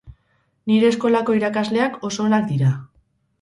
Nire eskolako irakasleak oso onak dira.